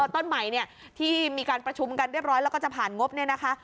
ต้นใหม่เนี่ยที่มีการประชุมกันเรียบร้อยแล้วก็จะผ่านงบเนี่ยนะคะ